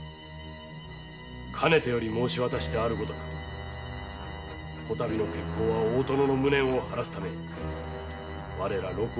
かねてより申し渡してあるごとくこ度の決行は大殿の無念をはらすため我ら４名の者の独断。